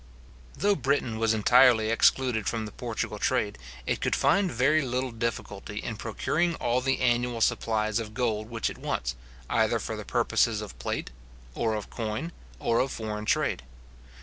Though Britain were entirely excluded from the Portugal trade, it could find very little difficulty in procuring all the annual supplies of gold which it wants, either for the purposes of plate, or of coin, or of foreign trade.